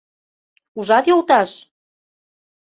— Ужат, йолташ?